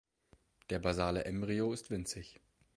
Der basale Embryo ist winzig.